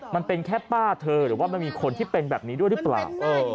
มันเป็นแค่ป้าเธอหรือว่ามันมีคนที่เป็นแบบนี้ด้วยหรือเปล่า